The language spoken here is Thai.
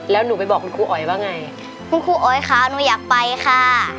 แล้วหนูไปบอกคุณครูอ๋อยว่าไงคุณครูอ๋อยค่ะหนูอยากไปค่ะ